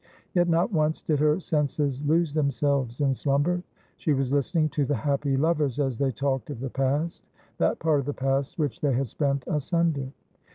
Yet not once did her senses lose themselves in slumber. She was listening to the happy lovers, as they talked of the past — that part of the past which they had spent asunder.